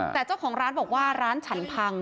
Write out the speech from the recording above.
แต่เจ้าของร้านบอกว่าร้านฉันพัง